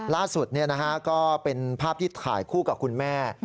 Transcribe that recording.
ล่าสุดก็เป็นภาพที่ถ่ายคู่กับคุณแม่